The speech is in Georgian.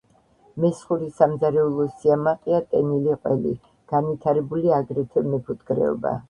მესხური სამზარეულოს სიამაყეა ტენილი ყველი. განვითარებულია აგრეთვე მეფუტკრეობა.